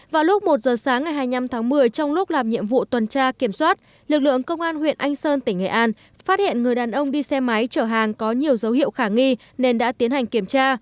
vào lúc một giờ sáng ngày hai mươi năm tháng một mươi trong lúc làm nhiệm vụ tuần tra kiểm soát lực lượng công an huyện anh sơn tỉnh nghệ an phát hiện người đàn ông đi xe máy chở hàng có nhiều dấu hiệu khả nghi nên đã tiến hành kiểm tra